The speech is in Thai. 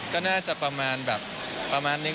ก็น่าจะประมาณแบบนี้แหละครับน่ารักน้ำ